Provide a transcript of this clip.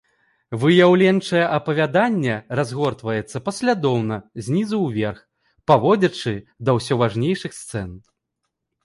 Выяўленчае апавяданне разгортваецца паслядоўна знізу ўверх, падводзячы да ўсё важнейшых сцэн.